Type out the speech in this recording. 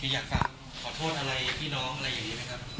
อยากกลับขอโทษอะไรพี่น้องอะไรอย่างนี้ไหมครับ